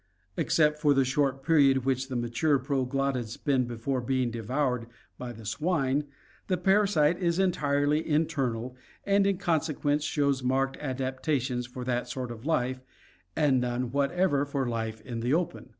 Except for the short period which the mature proglottids spend before being devoured by the swine, this parasite is entirely internal and in conse quence shows marked adaptations for that sort of life and none whatever for life in the open.